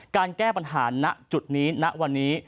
การแก้ปัญหาณจุดนี้ณวันนี้